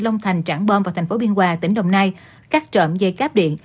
long thành trảng bom và thành phố biên hòa tỉnh đồng nai cắt trộm dây cáp điện